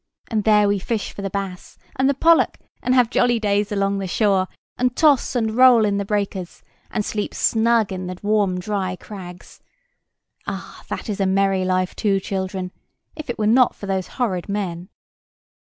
And there we fish for the bass and the pollock, and have jolly days along the shore, and toss and roll in the breakers, and sleep snug in the warm dry crags. Ah, that is a merry life too, children, if it were not for those horrid men."